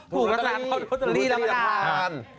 ถูกราคาเตอรีราปทาน